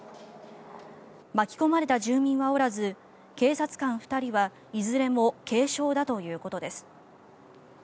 巻き込まれた住民はおらず警察官２人はいずれも軽傷だということです。